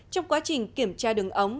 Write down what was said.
trong quá trình kiểm tra đường ống